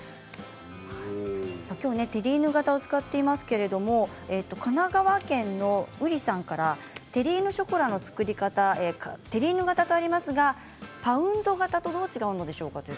きょう、テリーヌ型を使っていますけれど神奈川県の方からテリーヌショコラの作り方テリーヌ型とありますがパウンド型とどう違うんでしょうか？